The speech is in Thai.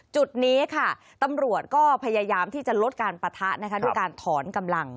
จุดนี้ค่ะตำรวจก็พยายามที่จะลดการปะทะนะคะด้วยการถอนกำลัง